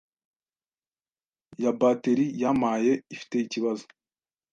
ya bateri.yampaye ifite ikibazo